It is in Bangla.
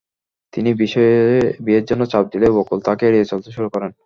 তিনি বিয়ের জন্য চাপ দিলে বকুল তাঁকে এড়িয়ে চলতে শুরু করেন।